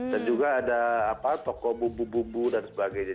dan juga ada apa toko bubu bubu dan sebagainya